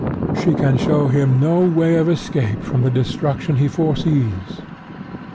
She can show him no way of escape from the destruction he foresees.